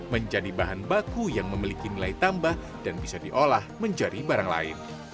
menjadi bahan baku yang memiliki nilai tambah dan bisa diolah menjadi barang lain